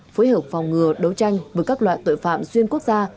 phối hợp phòng ngừa đấu tranh với các loại tội phạm xuyên quốc gia